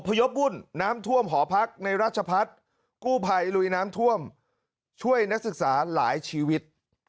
พยพวุ่นน้ำท่วมหอพักในราชพัฒน์กู้ภัยลุยน้ำท่วมช่วยนักศึกษาหลายชีวิต